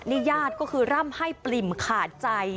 นี่ญาติก็คือร่ำให้ปริ่มขาดใจ